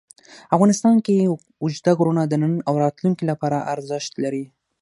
افغانستان کې اوږده غرونه د نن او راتلونکي لپاره ارزښت لري.